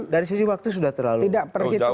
dari sisi waktu sudah terlalu jauh